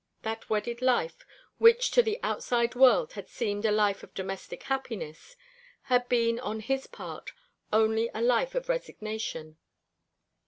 That wedded life, which to the outside world had seemed a life of domestic happiness, had been on his part only a life of resignation.